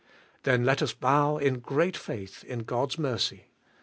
Then let us bow in great faith in God's mercy.